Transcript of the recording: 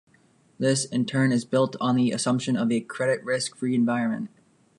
This, in turn, is built on the assumption of a credit-risk-free environment.